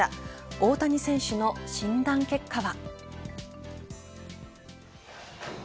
大谷選手の診断結果は。